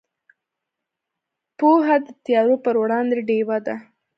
پوهه د تیارو پر وړاندې ډیوه ده.